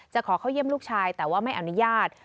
ขอเข้าเยี่ยมลูกชายแต่ว่าไม่อนุญาต